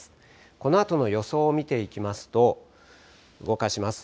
このあとの予想を見ていきますと、動かします。